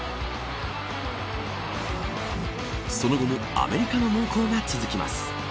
その後もアメリカの猛攻が続きます。